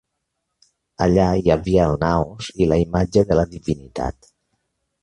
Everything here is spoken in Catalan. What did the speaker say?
Allà hi havia el naos i la imatge de la divinitat.